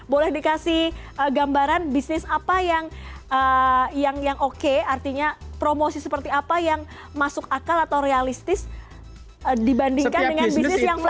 boleh dikasih gambaran bisnis apa yang oke artinya promosi seperti apa yang masuk akal atau realistis dibandingkan dengan bisnis yang menarik